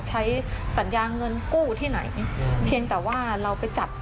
ใช้สัญญาเงินกู้ที่ไหนเพียงแต่ว่าเราไปจัด